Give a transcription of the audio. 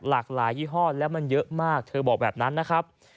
หลากหลายยี่ห้อแล้วมันเยอะมากเธอบอกแบบนั้นนะครับ